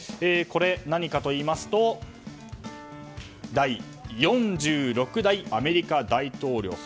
これ、何かといいますと第４６代アメリカ大統領。